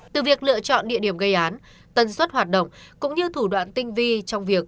từ việc lựa chọn địa điểm gây án tân suất hoạt động cũng như thủ đoạn tinh vi trong việc